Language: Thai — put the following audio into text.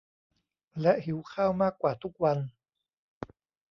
และหิวข้าวมากกว่าทุกวัน